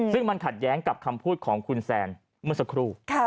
ซึ่งมันขัดแย้งกับคำพูดของคุณแซนเมื่อสักครู่